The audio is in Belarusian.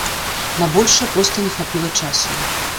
На большае проста не хапіла часу.